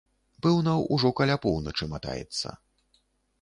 Пэўна, ужо каля поўначы матаецца.